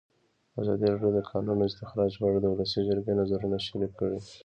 ازادي راډیو د د کانونو استخراج په اړه د ولسي جرګې نظرونه شریک کړي.